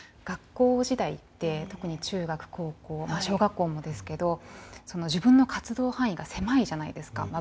学校時代って特に中学・高校小学校もですけど自分の活動範囲が狭いじゃないですか。